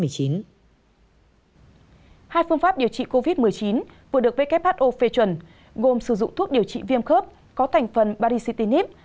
hai phương pháp điều trị covid một mươi chín vừa được who phê chuẩn gồm sử dụng thuốc điều trị viêm khớp có thành phần bari citynip